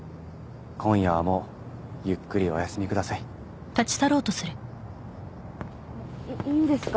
今夜はもうゆっくりお休みくださいいいいんですか？